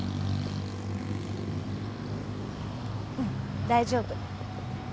うん大丈夫。